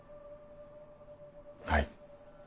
はい。